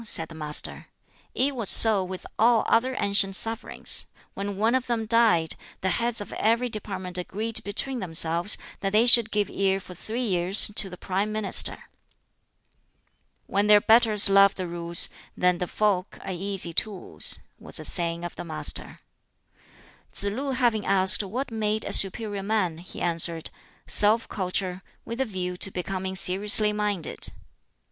said the Master. "It was so with all other ancient sovereigns: when one of them died, the heads of every department agreed between themselves that they should give ear for three years to the Prime Minister." "When their betters love the Rules, then the folk are easy tools," was a saying of the Master. Tsz lu having asked what made a "superior man," he answered, "Self culture, with a view to becoming seriously minded."